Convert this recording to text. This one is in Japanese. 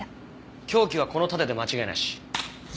凶器はこの盾で間違いなし。